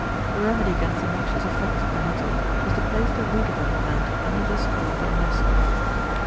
A remedy against the noxious effects of the nettle, is to place the root of that plant under the straw of their nest.